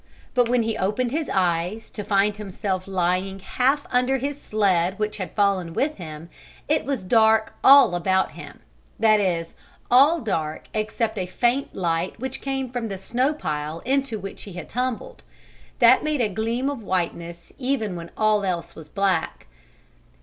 But when he opened his eyes, to find himself lying half under his sled which had fallen with him, it was dark all about him that is, all dark except a faint light which came from the snow pile into which he had tumbled. That made a gleam of whiteness even when all else was black.